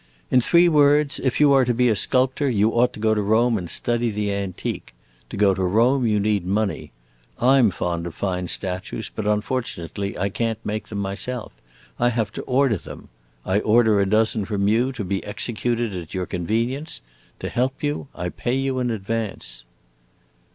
"In three words, if you are to be a sculptor, you ought to go to Rome and study the antique. To go to Rome you need money. I 'm fond of fine statues, but unfortunately I can't make them myself. I have to order them. I order a dozen from you, to be executed at your convenience. To help you, I pay you in advance."